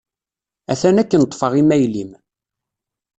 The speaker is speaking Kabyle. Atan akken ṭṭfeɣ imayl-im.